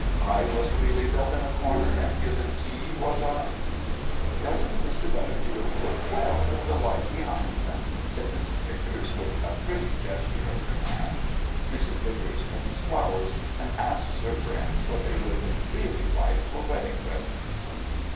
I was to be leaned up in a corner and given tea, was I? "Doesn't Mr. Butterfield look well with the light behind him?" said Mrs. Vicars with a pretty gesture of her hand. Mrs. Vicars paints flowers, and asks her friends what they would really like for wedding presents.